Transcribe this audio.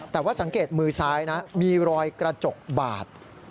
แต่ว่าสังเกตมือซ้ายนะมีรอยกระจกบาด